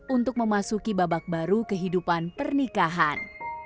untuk memasuki babak baru kehidupan pernikahan